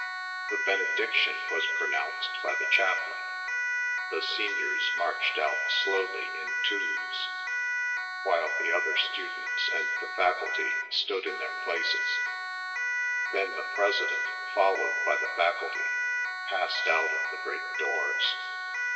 The benediction was pronounced by the chaplain, the seniors marched out slowly in twos, while the other students and the faculty stood in their places; then the president, followed by the faculty, passed out of the great doors.